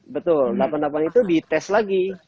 betul delapan delapan itu di tes lagi